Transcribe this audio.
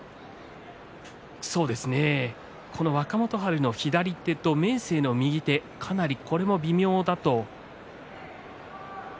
この若元春の左手と明生の右手かなりこれも微妙だと。